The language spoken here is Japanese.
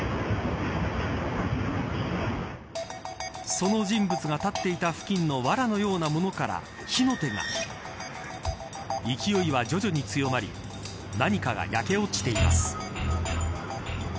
その人物が立っていた付近のわらのようなものから火の手が勢いは徐々に強まり何かが焼け落ちています。